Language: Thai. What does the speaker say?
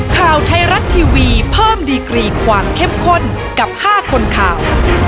ข่าวไทยรัฐทีวีเพิ่มดีกรีความเข้มข้นกับ๕คนข่าว